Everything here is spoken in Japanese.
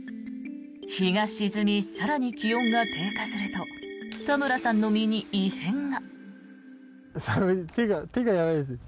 日が沈み、更に気温が低下すると田村さんの身に異変が。